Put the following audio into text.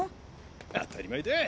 当たり前だ。